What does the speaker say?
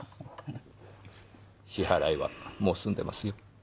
支払いはもう済んでますよ。